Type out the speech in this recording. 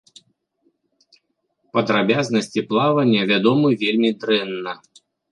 Падрабязнасці плавання вядомы вельмі дрэнна.